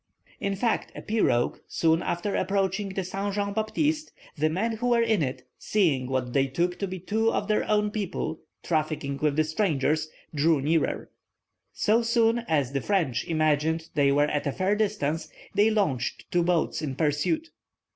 In fact, a pirogue soon after approaching the Saint Jean Baptiste, the men who were in it, seeing what they took to be two of their own people trafficking with the strangers, drew nearer. So soon as the French imagined they were at a fair distance, they launched two boats in pursuit.